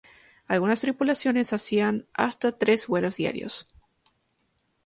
Algunas tripulaciones hacían hasta tres vuelos diarios.